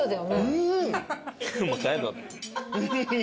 うん！